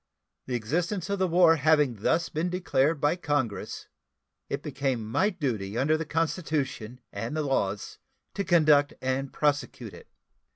The existence of the war having thus been declared by Congress, it became my duty under the Constitution and the laws to conduct and prosecute it.